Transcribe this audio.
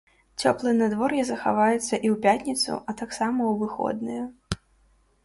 Цёплае надвор'е захаваецца і ў пятніцу, а таксама ў выходныя.